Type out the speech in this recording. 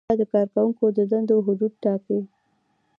دا د کارکوونکو د دندو حدود ټاکي.